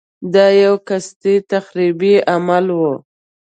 دا یو قصدي تخریبي عمل و.